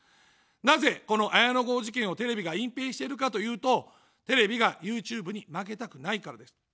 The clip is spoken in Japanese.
なぜ、この綾野剛事件をテレビが隠蔽しているかというと、テレビがＹｏｕＴｕｂｅに負けたくないからです。